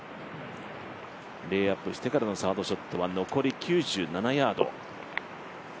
レイアップしてからのサードショットは残り９７ヤード。